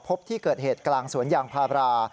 พบที่เกิดเหตุกลางสวนยางพารา